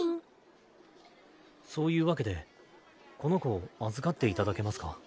そういうわけでこの子預かっていただけますか？